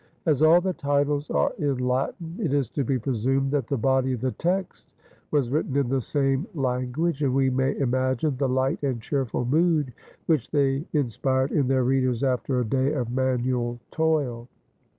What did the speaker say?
As all the titles are in Latin, it is to be presumed that the body of the text was written in the same language, and we may imagine the light and cheerful mood which they inspired in their readers after a day of manual toil.